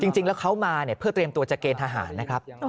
จริงแล้วเขามาเนี่ยเพื่อเตรียมตัวจะเกณฑหารนะครับ